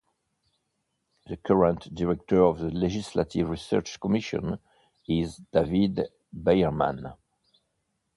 The current Director of the Legislative Research Commission is David Byerman.